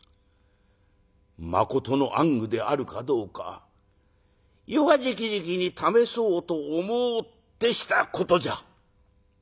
誠の暗愚であるかどうか余はじきじきに試そうと思ってしたことじゃ。